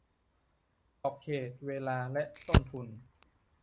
ขอบเขต เวลา และต้นทุน